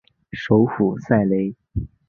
首府塞雷。